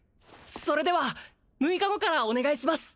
それでは６日後からお願いします